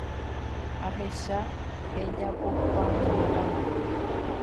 Ahecha ejapopanungáma.